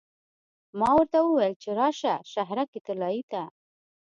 ما ورته وویل چې راشه شهرک طلایې ته.